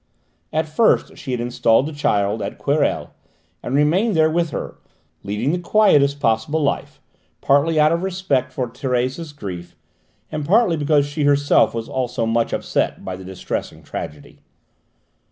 At first she had installed the child at Querelles, and remained there with her, leading the quietest possible life, partly out of respect for Thérèse's grief, and partly because she herself was also much upset by the distressing tragedy.